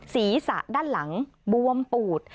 ศีรษะด้านหลังบวมปูด